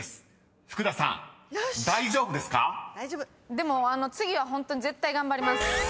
でも次はホントに絶対頑張ります。